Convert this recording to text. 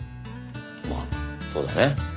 まあそうだね。